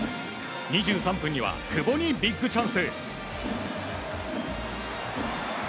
２３分には久保にビッグチャンス。